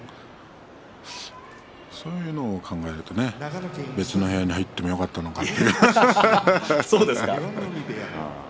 そういうのを考えると別の部屋に入ってもよかったかなと。